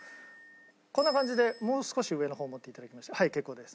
こんな感じでもう少し上の方持っていただきましてはい結構です。